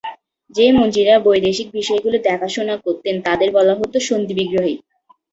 যে মন্ত্রীরা বৈদেশিক বিষয়গুলি দেখাশোনা করতেন, তাদের বলা হত ‘সন্ধিবিগ্রহী’।